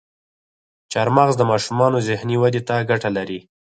چارمغز د ماشومانو ذهني ودې ته ګټه لري.